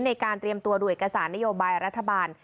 ในการเตรียมตัวดูเอกสารนโยบายรัฐบาล